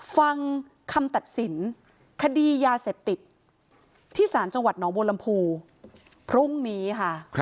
ฟังคำตัดสินคดียาเสพติดที่ศาลจังหวัดหนองโบรมภูมิค่ะ